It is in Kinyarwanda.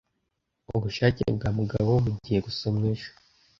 Ubushake bwa Mugabo bugiye gusomwa ejo